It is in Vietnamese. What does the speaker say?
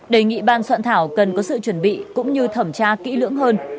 đề nghị ban soạn thảo cần có sự chuẩn bị cũng như thẩm tra kỹ lưỡng hơn